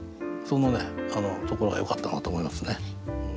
そのところがよかったなと思いますね。